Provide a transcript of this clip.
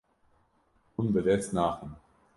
Hûn bi dest naxin.